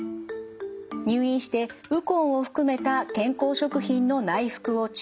入院してウコンを含めた健康食品の内服を中止。